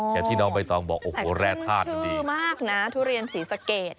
แต่ที่น้องใบตองบอกโอ้โหแร่ภาพดีแต่ขึ้นชื่อมากนะทุเรียนสีสะเกด